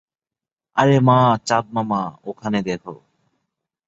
আরে মা চাঁদ মামা, ওখানে দেখো।